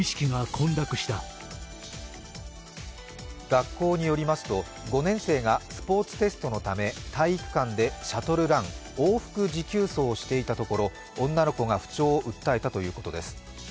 学校によりますと、５年生がスポーツテストのため体育館でシャトルラン＝往復持久走をしていたところ女の子が不調を訴えたということです。